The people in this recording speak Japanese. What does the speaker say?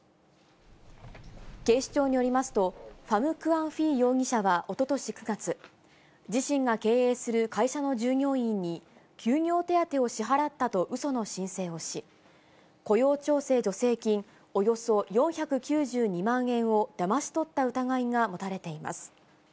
警視庁によりますと、ファム・クアン・フィー容疑者はおととし９月、自身が経営する会社の従業員に、休業手当を支払ったとうその申請をし、雇用調整助成金およそ４９２万円をだまし取った疑いが持たれています。